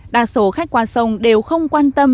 đa số khách qua sông đều không quan tâm